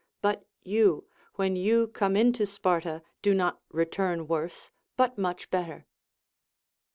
But you, when you come into Sparta, do not return worse, but much better.